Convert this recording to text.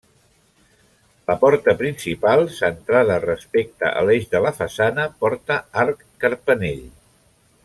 La porta principal, centrada respecte a l'eix de la façana, porta arc carpanell.